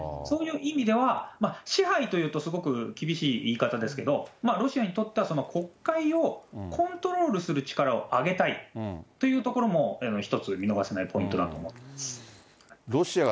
そういう意味では、支配というとすごく厳しい言い方ですけど、ロシアにとっては黒海をコントロールする力を上げたいというところも一つ、見逃せないポイントだと思ってます。